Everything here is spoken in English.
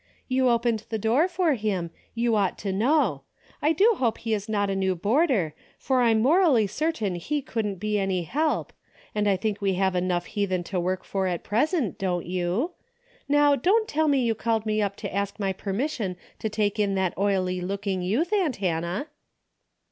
" You opened the door for him, you ought to know. I do hope he is not a new boarder, for I'm morally certain he wouldn't be any help, and I think Ave have enough heathen to work for at present, don't you ? How don't tell me you called me up to ask my permission to take in that oily looking youth, aunt Hannah."